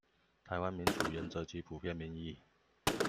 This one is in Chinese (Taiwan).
臺灣民主原則及普遍民意